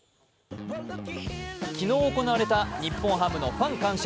昨日行われた日本ハムのファン感謝